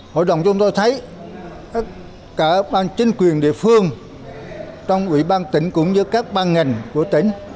hội đồng chúng tôi thấy cả ban chính quyền địa phương trong ủy ban tỉnh cũng như các ban ngành của tỉnh